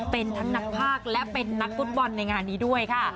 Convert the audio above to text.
เป็นทั้งนักภาคและเป็นนักฟุตบอลในงานนี้ด้วยค่ะ